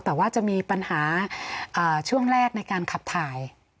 แต่ว่าจะมีปัญหาช่วงแรกในการขับถ่าย